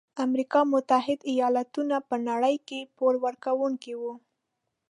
امریکا متحد ایلاتو په نړۍ کې پوره کوونکي وو.